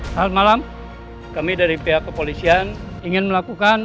selamat malam kami dari pihak kepolisian ingin melakukan